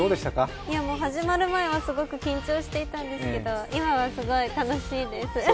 始まる前はすごく緊張していたんですけど、今はすごい楽しいです。